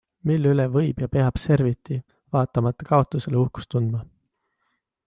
Mille üle võib ja peab Serviti vaatamata kaotusele uhkust tundma?